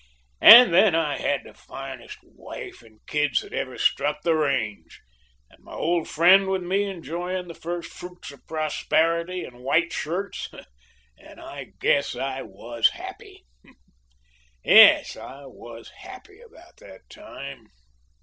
And then, I had the finest wife and kids that ever struck the range, and my old friend with me enjoying the first fruits of prosperity and white shirts, and I guess I was happy. Yes, I was happy about that time."